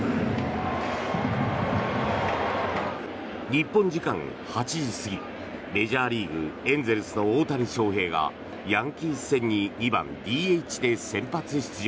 日本時間８時過ぎメジャーリーグ、エンゼルスの大谷翔平がヤンキース戦に２番ＤＨで先発出場。